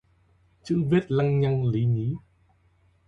Chữ viết lăng nhăng lí nhí